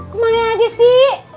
kemana aja sih